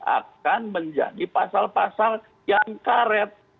akan menjadi pasal pasal yang karet